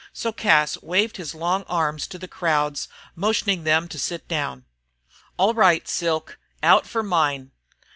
So Cas waved his long arms to the crowds, motioning for them to sit down. "All right, Silk, out for mine."